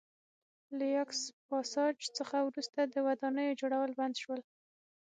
له یاکس پاساج څخه وروسته د ودانیو جوړول بند شول